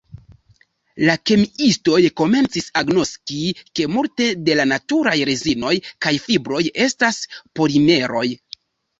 La kemiistoj komencis agnoski, ke multe de la naturaj rezinoj kaj fibroj estas polimeroj.